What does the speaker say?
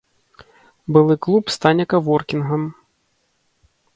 Былы клуб стане каворкінгам.